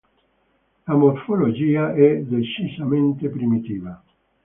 La morfologia è decisamente primitiva.